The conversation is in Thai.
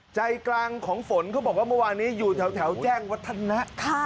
ใจกลางของฝนเขาบอกว่าเมื่อวานนี้อยู่แถวแจ้งวัฒนะ